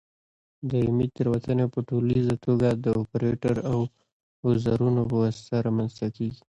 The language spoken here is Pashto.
دایمي تېروتنې په ټولیزه توګه د اپرېټر او اوزارونو په واسطه رامنځته کېږي.